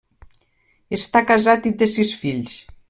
Està casat i té sis fills.